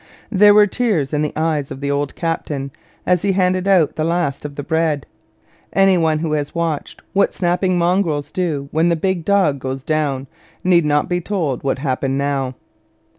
There were tears in the eyes of the old captain as he handed out the last of the bread. Any one who has watched what snapping mongrels do when the big dog goes down, need not be told what happened now.